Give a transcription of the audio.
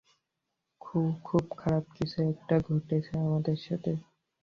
খু-খুব খারাপ কিছু একটা ঘটছে আমাদের সাথে।